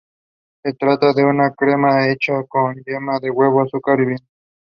It also occurs in the Western Mediterranean Sea and Adriatic Sea.